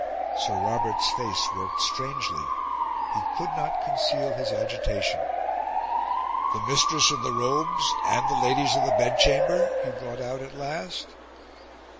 Sir Robert's face worked strangely; he could not conceal his agitation. "The Mistress of the Robes and the Ladies of the Bedchamber?" he brought out at last.